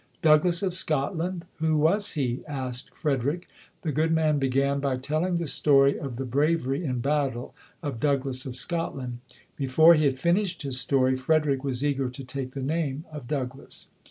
"Douglass of Scotland? Who was he?" asked Frederick. The good man began by telling the story of the bravery in battle of Douglass of Scot land. Before he had finished his story, Frederick was eager to take the name of Douglass.